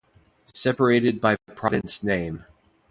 Separated by province name.